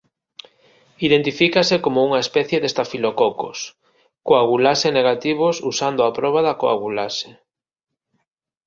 Identifícase como unha especie de estafilococos coagulase negativos usando a proba da coagulase.